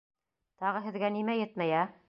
Тағы һеҙгә нимә етмәй, ә?